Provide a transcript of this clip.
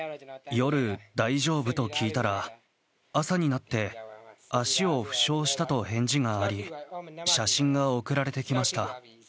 夜、大丈夫？と聞いたら朝になって、足を負傷したと返事があり、写真が送られてきました。